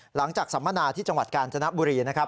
หลังจากสัมมนาที่จังหวัดกาญจนบุรี